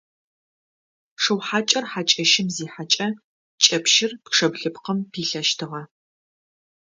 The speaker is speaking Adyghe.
Шыу хьакӏэр хьакӏэщым зихьэкӏэ кӏэпщыр пчъэ блыпкъым пилъэщтыгъэ.